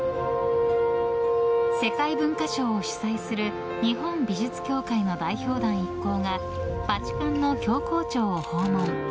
世界文化賞を主催する日本美術協会の代表団一行がバチカンの教皇庁を訪問。